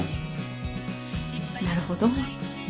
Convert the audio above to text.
なるほど。